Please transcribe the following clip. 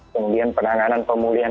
kemudian penanganan pemulihan